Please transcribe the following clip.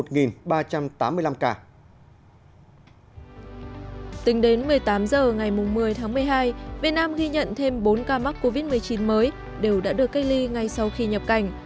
tính đến một mươi tám h ngày một mươi tháng một mươi hai việt nam ghi nhận thêm bốn ca mắc covid một mươi chín mới đều đã được cách ly ngay sau khi nhập cảnh